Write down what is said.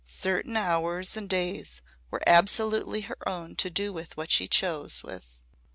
Certain hours and days were absolutely her own to do what she chose with.